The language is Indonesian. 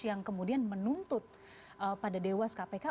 yang kemudian menuntut pada dewas kpk